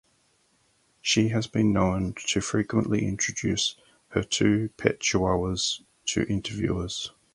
She has been known to frequently introduce her two pet chihuahuas to interviewers.